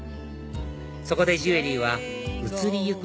そこでジュエリーは移りゆく